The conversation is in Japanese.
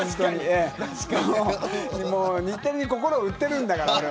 日テレに心を売ってるんだから。